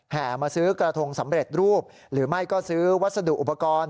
มาซื้อกระทงสำเร็จรูปหรือไม่ก็ซื้อวัสดุอุปกรณ์